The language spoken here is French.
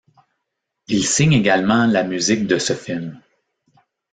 Il signe également la musique de ce film.